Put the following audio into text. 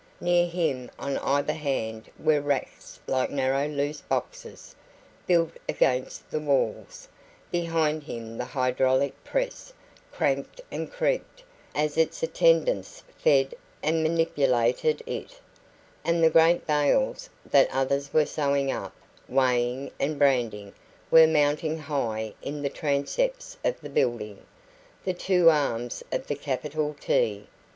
Near him on either hand were racks like narrow loose boxes, built against the walls; behind him the hydraulic press cranked and creaked as its attendants fed and manipulated it, and the great bales, that others were sewing up, weighing, and branding, were mounting high in the transepts of the building the two arms of the capital T.